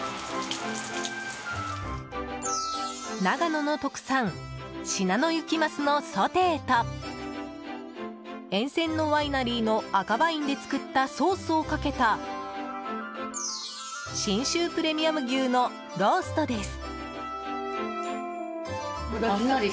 長野の特産シナノユキマスのソテーと沿線のワイナリーの赤ワインで作ったソースをかけた信州プレミアム牛のローストです。